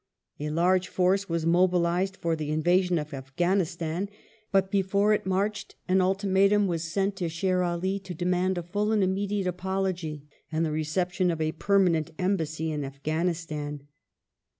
A large force was mobi J^^g^jg^ lized for the invasion of Afghanistan ; but before it marched an ultimatum wfis sent to Sher Ali to demand a full and immediate /^ apology, and the reception of a permanent Embassy in Afghanistan.